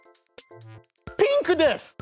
ピンクです！